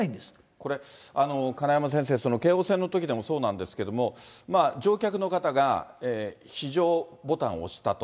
これ、金山先生、京王線のときでもそうなんですけれども、乗客の方が非常ボタンを押したと。